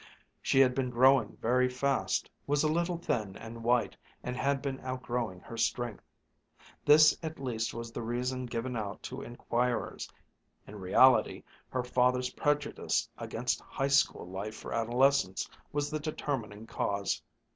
She had been growing very fast, was a little thin and white, and had been outgrowing her strength. This at least was the reason given out to inquirers. In reality her father's prejudice against High School life for adolescents was the determining cause.